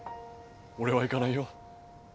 俺は行かないよ。